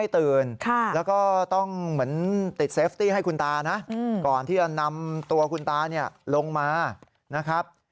เต็ฟตี้ให้คุณตานะก่อนที่จะนำตัวคุณตาลงมา